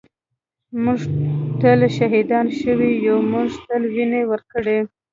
ًٍمونږ تل شهیدان شوي یُو مونږ تل وینې ورکــــړي